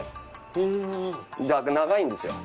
長いんですよ。